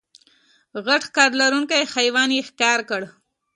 غټ ښکر لرونکی حیوان یې ښکار کړ.